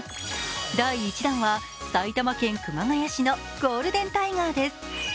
第１弾は埼玉県熊谷市のゴールデンタイガーです。